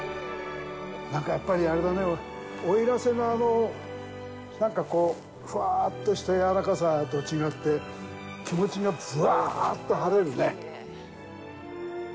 なんか、やっぱりあれだね、奥入瀬のあの、なんかこう、フワァッとした柔らかさと違って、気持ちがブワァッと晴れるね。